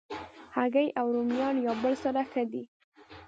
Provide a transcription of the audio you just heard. هګۍ او رومیان یو بل سره ښه دي.